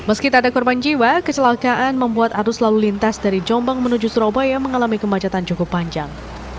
meski tak ada korban jiwa kecelakaan membuat arus lalu lintas dari jombang menuju surabaya mengalami kemacetan cukup panjang